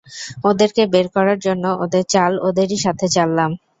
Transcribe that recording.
ওদেরকে বের করার জন্য ওদের চাল ওদেরই সাথে চাললাম।